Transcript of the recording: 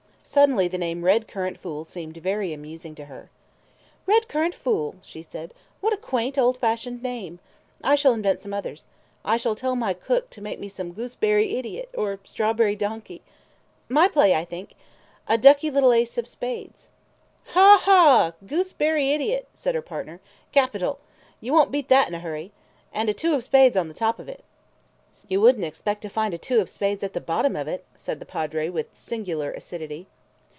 Suddenly the name red currant fool seemed very amusing to her. "Red currant fool!" she said. "What a quaint, old fashioned name! I shall invent some others. I shall tell my cook to make some gooseberry idiot, or strawberry donkey. ... My play, I think. A ducky little ace of spades." "Haw! haw! gooseberry idiot!" said her partner. "Capital! You won't beat that in a hurry! And a two of spades on the top of it." "You wouldn't expect to find a two of spades at the bottom of it," said the Padre with singular acidity.